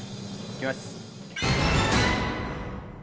行きます。